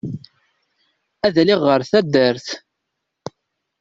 Ad aliɣ ɣer taddart.